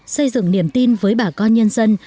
xây dựng niềm tin với bà con nhân dân